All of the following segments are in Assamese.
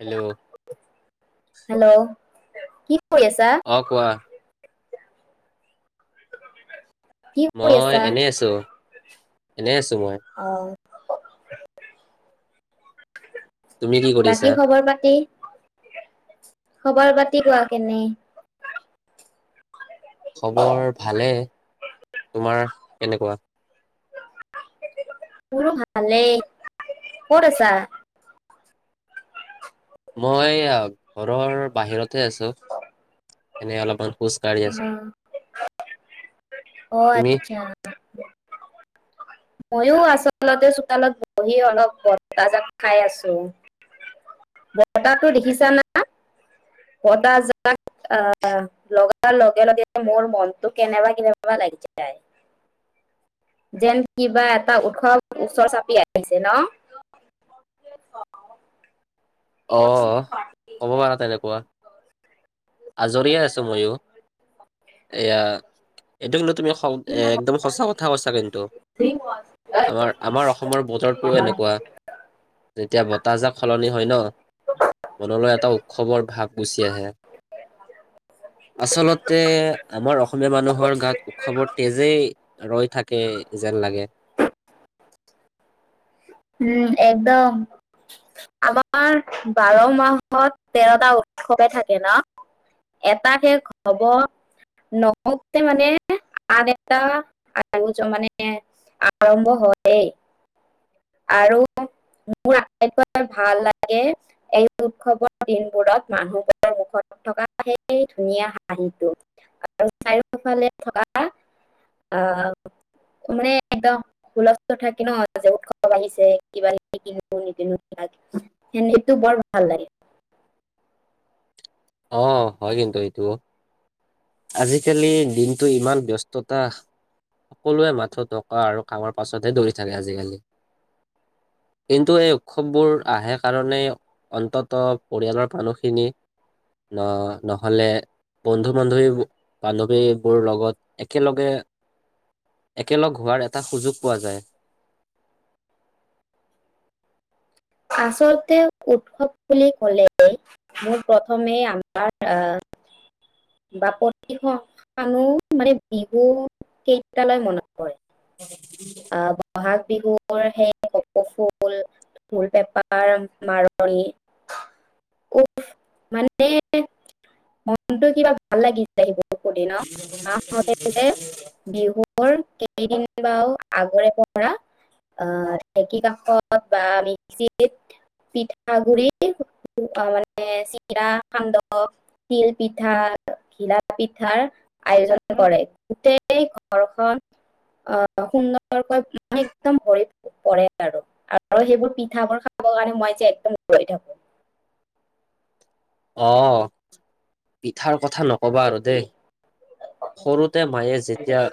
Hello hello. কি কৰি আছা অ', কোৱা। কি কৰি মই আছা এনে আছো, এনে আছো মই। তুমি কি [unintelligible] কৰিছা বাকী খবৰ পাতি। খবৰ পাতি কোৱা কেনে? খবৰ ভালে। তোমাৰ কেনেকুৱা? মোৰো ভালে ক'ত আছা? মই এইয়া ঘৰৰ বাহিৰত এ, আছোঁ। এনে অলপমান খোজ কাঢ়ি আছো উম, অ'! তুমি আচ্ছা। মইয়ো আচলতে চোতালত বহি অলপ বতাহজাক খাই আছোঁ। বতাহটো দেখিছা না বতাহজাক [unintelligible] লগাৰ লগে লগে মোৰ মনটো কেনেবা কেনেবা লাগি যায়। যেন কিবা এটা উৎসৱ ওচৰ চাপি আহিছে ন। অঁ! হ'ব বাৰু তেনেকুৱা। আজৰি আছোঁ মইয়ো। এয়া, এইটো কিন্তু তুমি একদম সঁচা কথা কৈছা। কিন্তু আমাৰ আমাৰ অসমৰ বতৰটো এনেকুৱা যেতিয়া বতাহজাক সলনি হয় ন' মনলৈ এটা উৎসৱৰ ভাৱ গুচি আহে। আচলতে, আমাৰ অসমীয়া মানুহৰ গাত উৎসৱৰ তেজেই ৰৈ থাকে। যেন লাগে উম, একদম আমাৰ বাৰ মাহত, তেৰটা উৎসৱে থাকে ন'। এটা শেষ হ'ব নহওঁতেই মানে, আন এটা মানে, আৰম্ভ হয়। আৰু মোৰ আটাইতকৈ ভাল লাগে, এই উৎসৱৰ দিনবোৰত মানুহবৰ মুখত থকা সেই ধুনীয়া হাঁহিটো আৰু চাৰিওফালে থকা আহ মানে একদম হুলস্থূল থাকে ন' উৎসৱ আহিছে। কিবা কিবি কিনো কিনো নিকিনো সেইদিনটো বৰ ভাল লাগে। অ' হয়। কিন্তু, এইটো আজিকালি দিনটো ইমান ব্যস্ততা সকলোৱে মাথো টকা আৰু কামৰ পাছতহে দৌৰি থাকে। আজিকালি কিন্তু, এই উৎসৱবোৰ আহে কাৰণেই অন্তত পৰিয়ালৰ মানুহখিনি ন' নহ'লে, বন্ধু বান্ধৱী বান্ধৱীবোৰ লগত একেলগে একেলগ হোৱাৰ এটা সুযোগ পোৱা যায়। আচলতে উৎসৱ বুলি ক'লে, মোৰ প্ৰথমে, আমাৰ আহ বাপতিসাহোন মানে, বিহু কেইটালৈ মনত হয়। আ'! বহাগ বিহুৰ সেই কপৌ ফুল ফুল পেপাৰ মাৰনি। উফ! মানে, মনটো কিবা ভাল লাগি যায়। এইবোৰ বহু দিন আমাৰ মতে যে বিহু কেইদিন বাও আগৰে পৰা, আ'! ঢেঁকী কাষত বা আমি পিঠাগুৰি অ'! মানে চিৰা, সান্দহ তিল পিঠা, ঘিলা পিঠাৰ আয়োজন কৰে। গোটেই ঘৰখন অ'! সুন্দৰকৈ একদম ভৰি পৰে আৰু, আৰু সেইবোৰ পি পিঠাবোৰ খাবৰ কাৰণে মই যে একদম ৰৈ থাকোঁ। অ'! পিঠাৰ কথা ন'কবা আৰু দেই। সৰুতে মায়ে যেতিয়া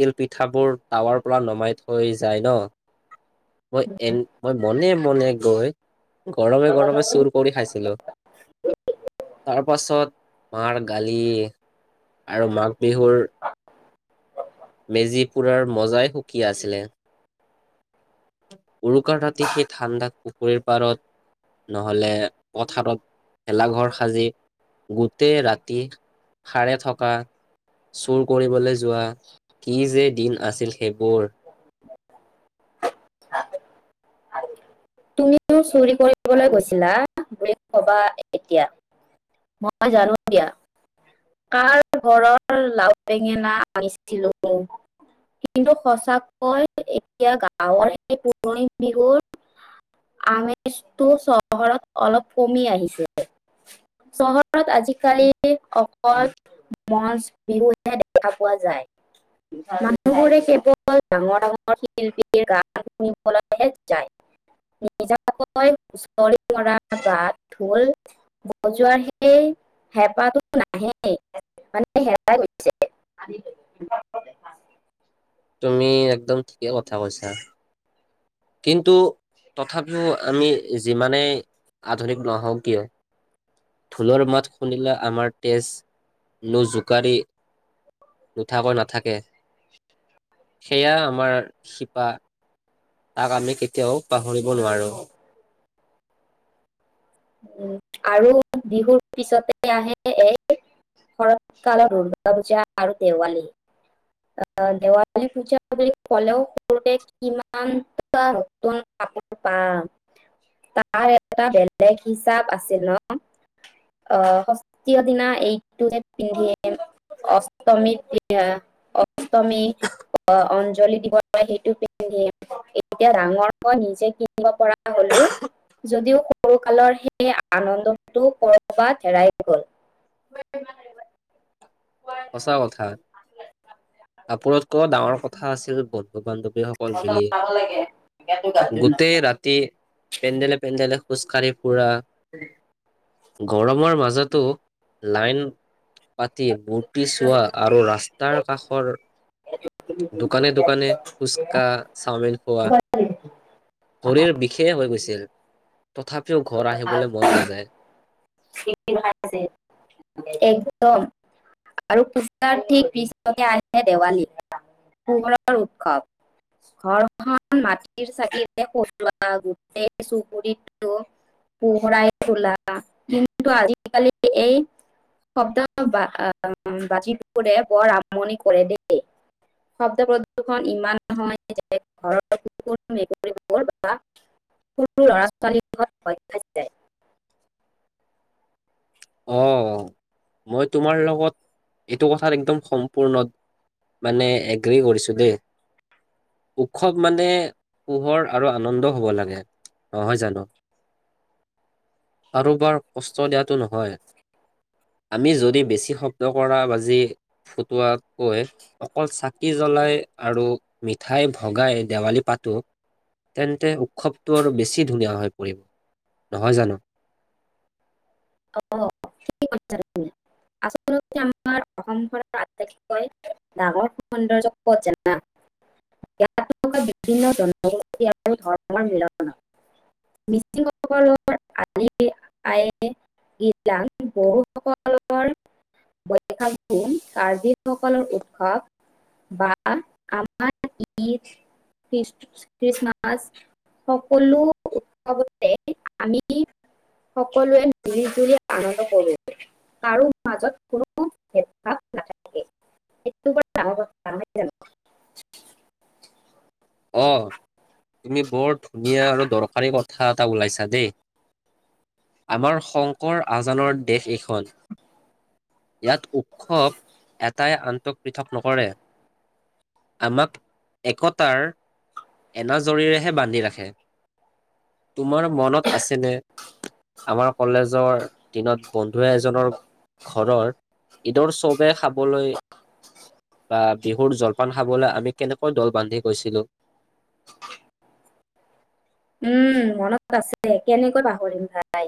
তিলপিঠাবোৰ টাৱাৰ পৰা নমাই থৈ যায় ন মই এ, মই মনে মনে গৈ গৰমে গৰমে চুৰ কৰি খাইছিলোঁ। তাৰ পাছত মাৰ গালি আৰু মাক বিহুৰ মেজি পুৰাৰ মজাই সুকীয়া আছিলে। উৰুকাৰ ৰাতি সেই ঠাণ্ডাত পুখুৰীৰ পাৰত নহ'লে পথাৰত ভেলাঘৰ সাজি গোটেই ৰাতি সাৰে থকা চুৰ কৰিবলৈ যোৱা, কি যে দিন আছিল সেইবোৰ। তুমি টো চুৰি কৰিবলৈ গৈছিলা, বুলি নক'বা এতিয়া। মই জানো দিয়া! কাৰ ঘৰৰ লাও বেঙেনা আনিছিলোঁ। কিন্তু, সঁচাকৈ এতিয়া গাঁৱৰ সেই পুৰণি বিহুৰ আমেজটো চহৰত অলপ কমি আহিছে চহৰত আজিকালি মঞ্চ বিহুহে দেখা পোৱা যায়। মানুহবোৰে কেৱল ডাঙৰ, ডাঙৰ শিল্পীৰ গান শুনিবলৈহে যায়। নিজাকৈ হুঁচৰি মৰা বা ঢোল বজোৱাৰ সেই হেপাহটো নাহে। মানে হেৰাই গৈছে তুমি একদম ঠিকে কথা কৈছা। কিন্তু, তথাপিও আমি যিমানেই আধুনিক নহওঁ কিয়, ঢোলৰ মাত শুনিলে আমাৰ তেজ নো জোকাৰি নুঠাকৈ নাথাকে। সেয়া আমাৰ শিপা তাক আমি কেতিয়াও পাহৰিব নোৱাৰোঁ। আৰু বিহুৰ পিছতে আহে এই শৰৎ কালত দুৰ্গা পূজা আৰু দেৱালী আহ দেৱালী পূজা বুলি কলেও সৰুৰে কিমান নতুন কাপোৰ পাম তাৰ এটা বেলেগ [unintelligible] হিচাপ আছিল ন আহ ষষ্ঠিৰ দিনা এইটোৱে পিন্ধিম অষ্টমী অষ্টমী অঞ্জলি দিব সেইটো পিন্ধিম এতিয়া ডাঙৰ মই নিজে কিনিব পৰা হলো যদিও [unintelligible] সৰুকালৰ সেই আনন্দটো কৰ'বাত হেৰাই গ'ল। সঁচা কথা কাপোৰতকৈ ডাঙৰ কথা আছিল বন্ধু বান্ধৱ। সকল মিলি গোটেই ৰাতি পেণ্ডেলে পেণ্ডেলে খোজ কাঢ়ি ফুৰা গৰমৰ মাজতো লাইন পাতি বহুত যদি চোৱা আৰু ৰাস্তাৰ কাষৰ দোকানে দোকানে ফুচকা, চাওমিন খোৱা ভৰিৰ বিষেই হৈ গৈছিল তথাপিও ঘৰ আহিবলৈ মন নাযায়। একদম আৰু পূজাৰ ঠিক পিছতে আহে দেৱালী পোহৰৰ উৎসৱ ঘৰখন মাটিৰ চাকিবোৰে গোটেই চুবৰিটো পোহৰাই তোলে। [unintelligible] কিন্তু আজিকালি এই শব্দ বচিবৰে বৰ আমনি কৰে দেই। শব্দ প্ৰদূ্ষন ইমান হয় যে ঘৰৰ কুকুৰ, মেকুৰিবোৰ বা সৰু ল'ৰা ছোৱালীবোৰে ভয় খাই যায়। অ' মই তোমাৰ লগত এইটো কথাত একদম সম্পূৰ্ণ মানে এগ্ৰী কৰিছো দেই, উৎসৱ মানে পোহৰ আৰু আনন্দ হ'ব লাগে। নহয় জানো, কাৰোবাক কষ্ট দিয়াটো নহয়। আমি যদি বেছি শব্দকৰা বাজি ফুটোৱাতকৈ অকল চাকি জ্বলাই আৰু মিঠাই ভগাই দেৱালী পাতোঁ তেন্তে উৎসৱবোৰ আৰু বেছি ধুনীয়া হৈ পৰিব। নহয় জানো? অ' ঠিকেই কৈছা তুমি আচলতে আমাৰ অসমখন আটাতকৈ ডাঙৰ সৌন্দৰ্য্য ক'ত জানা ইয়াত বিভিন্ন জনগোষ্ঠীৰ আৰু ধৰ্মৰ মিলন হয়। মিচিংসকল [inaudible] [inaudible] কাৰ্বি সকলৰ উৎসৱ বা আমাৰ ঈদ, খ্ৰীষ্টমাছ সকলো উৎসৱতে আমি সকলোৱে মিলি জুলি আনন্দ কৰোঁ, কাৰো মাজত কোনো ভেদভাৱ নাথাকে। সেইতো বৰ ডাঙৰ কথা নহয় জানো? অ' তুমি বৰ ধুনীয়া আৰু দৰকাৰী কথা এটা ওলিয়াইছা দেই। আমাৰ শংকৰ-আজানৰ দেশ এইখন। ইয়াত উৎসৱে এটাই আনটোক পৃথক নকৰে। আমাক একতাৰ এনাজৰীৰেহে বান্ধি ৰাখে। তোমাৰ মনত আছেনে আমাৰ কলেজৰ দিনত বন্ধু এজনৰ ঘৰত ঈদত চবে খাবলৈ বা বিহুৰ জলপান খাবলৈ আমি কেনেকৈ দল বান্ধি গৈছিলো। উম মনত আছে কেনেকৈ পাহৰিম ভাই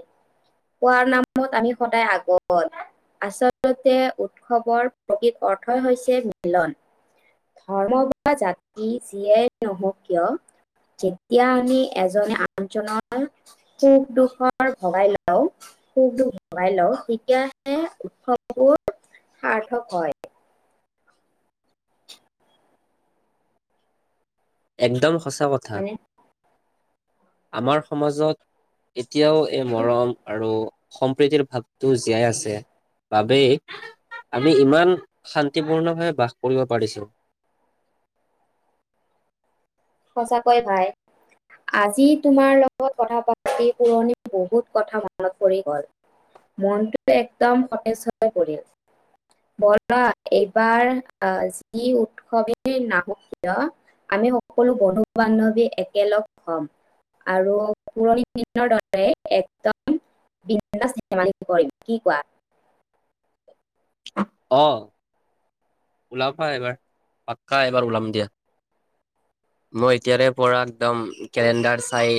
খোৱাৰ নামত আমি সদায় আগত আচলতে উৎসৱৰ প্ৰকৃত অৰ্থই হৈছে মিলন। ধৰ্ম বা জাতি যিয়েই নহওঁক কিয় যেতিয়া আমি এজনে আনজনৰ সুখ দুখৰ ভাগ হওঁ, সুখ দুখ ভগাই লওঁ তেতিয়াহে উৎসৱবোৰ সাৰ্থক হয়। একদম সঁচা কথা। হয়নে আমাৰ সমাজত এতিয়াও এই মৰম আৰু সম্প্ৰীতিৰ ভাৱটো জীয়াই আছে বাবেই আমি ইমান শান্তিপূৰ্ণভাৱে বাস কৰিব পাৰিছো। সঁচাকৈ ভাই আজি তোমাৰ লগত কথা পাতি পুৰণি বহুত কথা মনত পৰি গ'ল মনটো একদম সতেজ হৈ পৰিল। ব'লা এইবাৰ যি উৎসৱেই নাহক কিয় আমি সকলো বন্ধু বান্ধৱী একেলগ হ'ম আৰু পুৰণি দিনৰ দৰে একদম বিন্দাছ ধেমালি কৰিম। কি কোৱা? অ' ওলাবা এইবাৰ, পাক্কা এইবাৰ ওলাম দিয়া। মই এতিয়াৰে পৰা একদম কেলেণ্ডাৰ চাই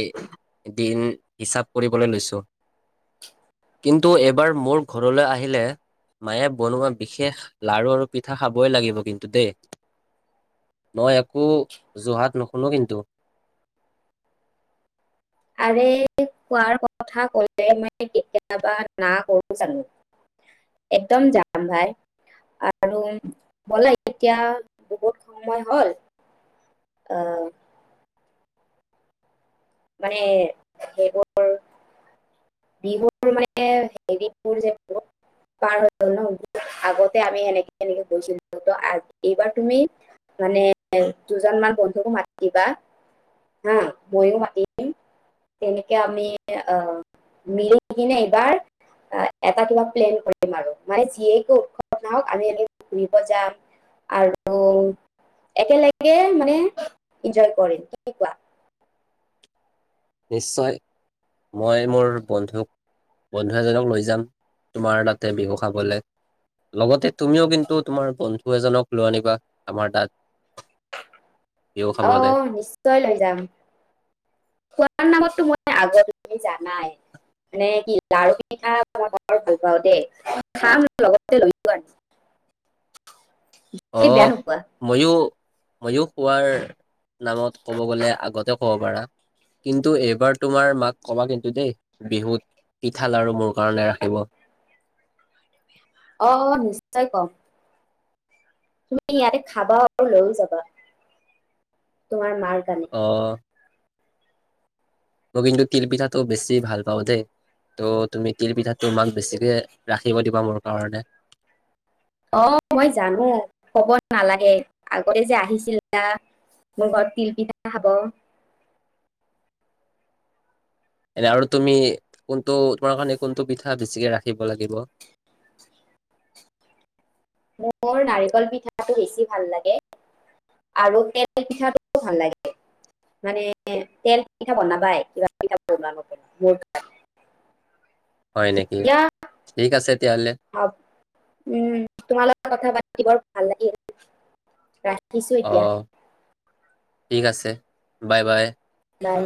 দিন হিচাপ কৰিবলৈ লৈছো, কিন্তু এইবাৰ মোৰ ঘৰলৈ আহিলে মায়ে বনোৱা বিশেষ লাৰু আৰু পিঠা পিঠা খাবই লাগিব কিন্তু দেই। মই একো অজহাত নুশুনো কিন্তু। আৰে খোৱাৰ কথা ক'লে মই কেতিয়াবা নাখাওঁ কওঁ জানো। একদম যাম ভাই আৰু বলা এতিয়া বহুত সময় হ'ল অ' মানে সেইবোৰ বিহুৰ হেৰিবোৰ যিহেতু পাৰ হৈ গ'ল ন আগতে আমি সেনেকে তেনেকে গৈছিলো নহয় তেন্তে এইবাৰ তুমি মানে দুজনমান বন্ধুকো মাতি দিবা আৰু ময়ো মাতিম। তেনেকে আমি অ' মিলি কেনে এইবাৰ এটা কিবা প্লেন কৰিম আৰু মানে যিয়ে কি উৎসৱ নহওঁক আমি ঘূৰিব যাম আৰু একেলগে এনজয় কৰিম। কি কোৱা? নিশ্চয়, মই মোৰ বন্ধুক বন্ধু এজনক লৈ যাম তোমাৰ তাতে বিহু খাবলৈ, লগতে তুমিও কিন্তু তোমাৰ বন্ধু এজনক লৈ আনিবা আমাৰ তাত। বিহু [inaudible] খাবলৈ খোৱাৰ নামতো মই আগত তুমি জানাই মানে কি লাৰু, পিঠা খাই মই বৰ ভাল পাওঁ দেই। খাম লগতে লৈও আনিম। অ' মইয়ো খোৱাৰ নামত ক'ব গ'লে আগতে ক'ব পাৰা কিন্তু এইবাৰ তোমাৰ মাক ক'বা কিন্তু দেই বিহুত পিঠা, লাৰু মোৰ কাৰণে ৰাখিব। অ', অ' নিশ্চয় কম। তুমি ইয়াতে খাবা আৰু লৈও যাবা ।তোমাৰ মাৰ কাৰণে অ' মই কিন্তু তিলপিঠাটো বেছি ভাল পাওঁ দেই তো' তুমি তিলপিঠাটো মাক বেছিকে ৰাখিব দিবা মোৰ কাৰণে। অ' মই জানো ক'ব নালাগে আগতে যে আহিছিলা মোৰ ঘৰত তিলপিঠা খাব। এনে আৰু তুমি কোনটো তোমাৰ কাৰণে কোনটো পিঠা বেছিকে ৰাখিব লাগিব? মোৰ নাৰিকল পিঠাটো বেছি ভাল লাগে, আৰু তেল পিঠাটো ভাল লাগে মানে তেল পিঠা বনাবাই কিবা পিঠা বনোৱা নবনোৱা মোৰ কাৰণে। হয় নেকি দিয়া ঠিক আছে তেতিয়াহ'লে উম তোমালকে কথা পা [unintelligible] শুনি বৰ ভাল লাগিল দিছোঁ অ এতিয়া ঠিক আছে বাই বাই বাই